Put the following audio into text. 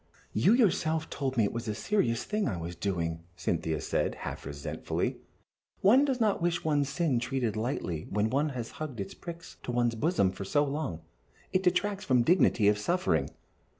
"You yourself told me it was a serious thing I was doing," Cynthia said, half resentfully. "One does not wish one's sin treated lightly when one has hugged its pricks to one's bosom for so long it detracts from the dignity of suffering."